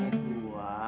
tidak itu dia